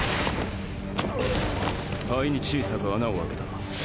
肺に小さく穴を空けた。